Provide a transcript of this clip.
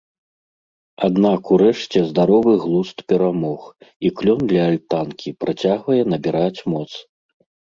Аднак урэшце здаровы глузд перамог і клён ля альтанкі працягвае набіраць моц.